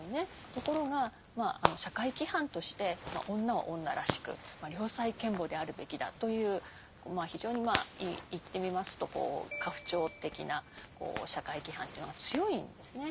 ところが社会規範として女は女らしく良妻賢母であるべきだという非常にまあ言ってみますと家父長的な社会規範というのが強いんですね。